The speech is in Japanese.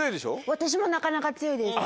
私もなかなか強いです。